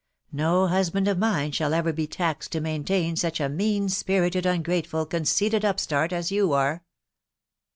No husband of mine shall ever be taxed to maintain such * mean spirited, ungrateful, conceited upstart as you are